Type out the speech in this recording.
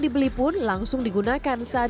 dibeli pun langsung digunakan saat